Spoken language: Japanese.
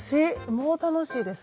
もう楽しいです。